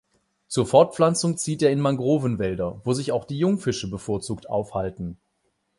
Zur Fortpflanzung zieht er in Mangrovenwälder, wo sich auch die Jungfische bevorzugt aufhalten.